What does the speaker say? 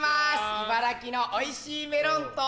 茨城のおいしいメロンと。